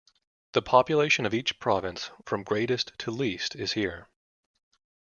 The population of each province, from greatest to least is here.